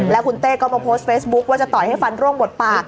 แล้วคุณเต้ก็มาโพสต์เฟซบุ๊คว่าจะต่อยให้ฟันร่วงหมดปาก